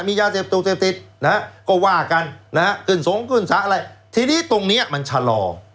มียาเสพตรงเสพติดนะฮะก็ว่ากันนะฮะขึ้นสงขึ้นสระอะไรทีนี้ตรงเนี้ยมันชะลอ